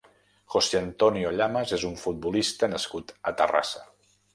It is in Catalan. José Antonio Llamas és un futbolista nascut a Terrassa.